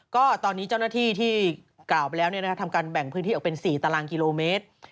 ก็ตอนนี้เจ้าหน้าที่ที่กล่าวไปแล้วทำการแบ่งพื้นที่ออกเป็น๔ตารางกิโลเมตร